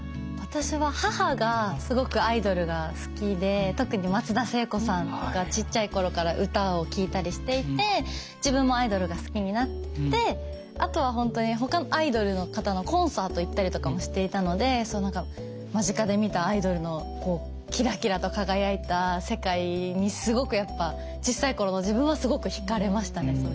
私は母がすごくアイドルが好きで特に松田聖子さんとかちっちゃい頃から歌を聴いたりしていて自分もアイドルが好きになってあとは本当にほかのアイドルの方のコンサート行ったりとかもしていたので間近で見たアイドルのキラキラと輝いた世界にすごくやっぱちっさい頃の自分はすごく引かれましたね